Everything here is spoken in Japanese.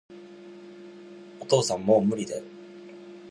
お父さん、もう無理だよ